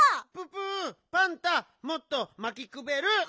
ププパンタもっとまきくべる！